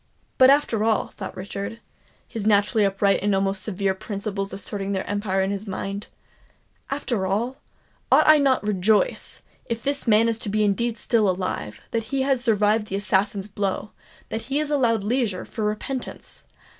"But, after all," thought Richard, his naturally upright and almost severe principles asserting their empire in his mind,—"after all, ought I not to rejoice, if this man be indeed still alive, that he has survived the assassin's blow—that he is allowed leisure for repentance!